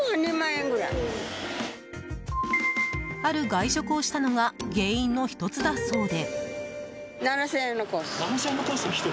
ある外食をしたのが原因の１つだそうで。